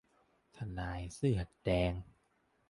ทนายเสื้อแดง